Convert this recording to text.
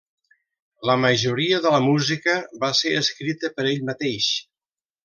La majoria de la música va ser escrita per ell mateix.